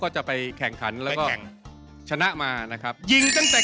โอ้โหดูสิ